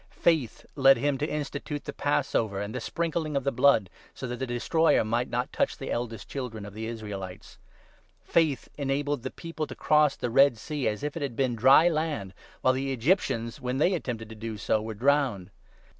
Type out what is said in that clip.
Faith led him to institute the Passover and the 28 Sprinkling of the Blood, so that the Destroyer might not touch the eldest children of the Israelites. Faith enabled 29 the people to cross the Red Sea, as if it had been dry land, while the Egyptians, when they attempted to do so, were drowned.